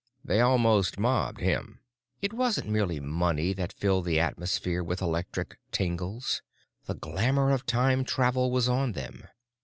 They almost mobbed him. It wasn't merely money that filled the atmosphere with electric tingles. The glamor of time travel was on them.